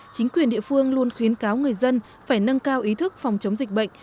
chính quyền địa phương luôn khuyến cáo người dân phải nâng cao ý thức phòng chống dịch bệnh